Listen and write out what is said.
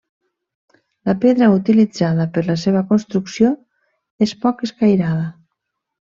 La pedra utilitzada per la seva construcció és poc escairada.